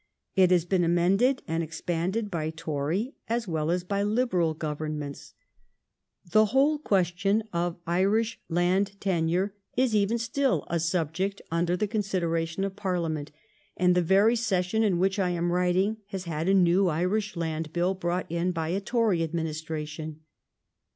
It has been amended and expanded by Tory as well as by Liberal gov ernments. The whole question of Irish land tenure is even still a subject under the consideration of Parliament, and the very session in which I am writing has had a new Irish land bill brought in by a Tory administration.